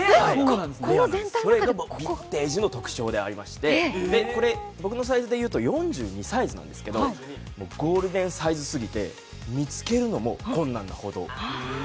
それがビンテージの特徴でしてこれ、僕のサイズでいうと４２サイズなんですけどゴールデンサイズすぎて、見つけるのも困難なほど。